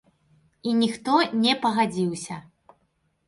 І ніхто не пагадзіўся.